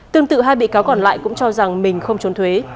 tương tự hai bị cáo còn lại cũng cho rằng mình không trốn thuế